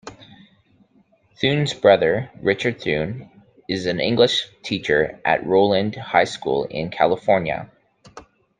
Thune's brother, Richard Thune, is an English teacher at Rowland High School in California.